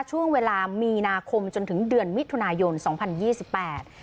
ช่วงเวลามีนาคมจนถึงเดือนมิถุนายนสองพันยี่สิบแปด